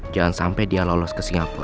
jangan sampai dia lolos ke siapa